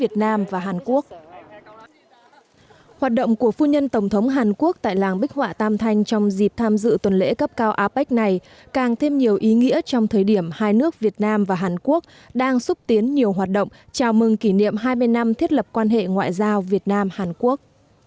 hoạt động của phu nhân tổng thống hàn quốc tại làng bích họa tam thanh trong dịp tham dự tuần lễ cấp cao apec này càng thêm nhiều ý nghĩa trong thời điểm hai nước việt nam và hàn quốc đang xúc tiến nhiều hoạt động chào mừng kỷ niệm hai mươi năm thiết lập quan hệ ngoại giao việt nam hàn quốc